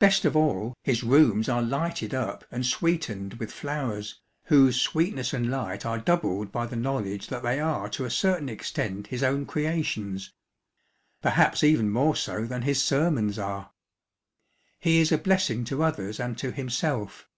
Best of all, his rooms are lighted up and sweetened with flowers, whose sweetness and light are doubled by the know ledge that they are to a certain extent his own creations ŌĆö perhaps even more so than his sermons are. He is a blessing to others and to himself.